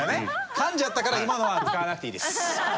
かんじゃったから今のは使わなくていいです。